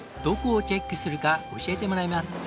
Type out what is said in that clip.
どこをチェックするか教えてもらいます。